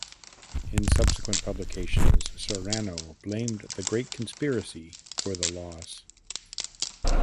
In subsequent publications Serrano blamed "the Great Conspiracy" for the loss.